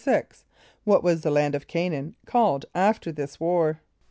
= What was the land of C[=a]´n[)a]an called after this war?